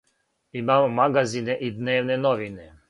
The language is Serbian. Имамо магазине и дневне новине.